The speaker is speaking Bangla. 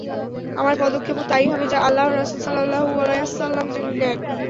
আমার পদক্ষেপও তাই হবে যা আল্লাহর রাসূল সাল্লাল্লাহু আলাইহি ওয়াসাল্লাম নেন।